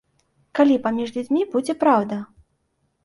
Калі паміж людзьмі будзе праўда?